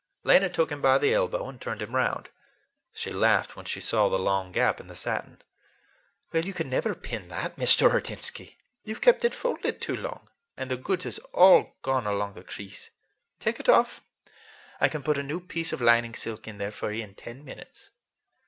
Lena took him by the elbow and turned him round. She laughed when she saw the long gap in the satin. "You could never pin that, Mr. Ordinsky. You've kept it folded too long, and the goods is all gone along the crease. Take it off. I can put a new piece of lining silk in there for you in ten minutes."